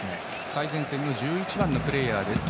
最前線の１１番のプレーヤーです。